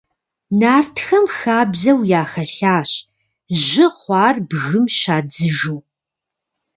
Нартхэм хабзэу яхэлъащ жьы хъуар бгым щадзыжу.